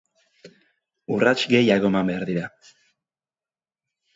Urrats gehiago eman behar dira.